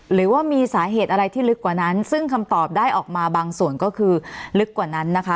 หรือว่ามีสาเหตุอะไรที่ลึกกว่านั้นซึ่งคำตอบได้ออกมาบางส่วนก็คือลึกกว่านั้นนะคะ